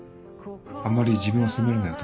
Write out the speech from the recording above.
あんまり自分を責めるなよ